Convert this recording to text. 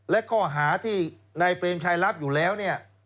และข้อหาที่นายเปรมชัยรับอยู่แล้วเนี่ย